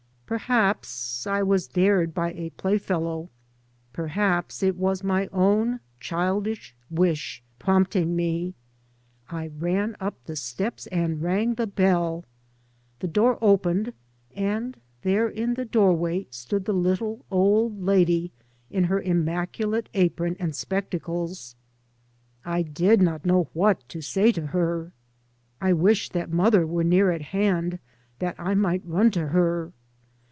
Perhaps I was " dared " by a playfellow, per haps it was my own childish wish prompting me : I ran up the steps and rang the bell. The door opened and there in the doorway stood the little old lady in her immaculate apron and spectacles. I did not know what to say to her. I wished that mother were near at hand that I might run to her.